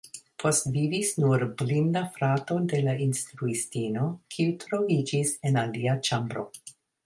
Postvivis nur blinda frato de la instruistino, kiu troviĝis en alia ĉambro.